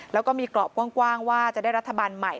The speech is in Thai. แล้วก็มีกรอบกว้างว่าจะได้รัฐบาลใหม่